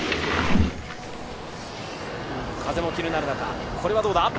風も気になる中、これはどうだ。